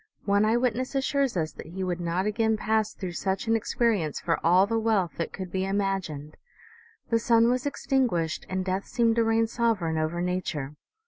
One eye witness assures us that he 162 OMEGA. would not again pass through such an experience for all the wealth that could be imagined. The sun was extin guished and death seemed to reign sovereign over nature.